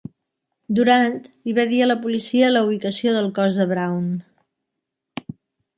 Durant li va dir a la policia la ubicació del cos de Brown.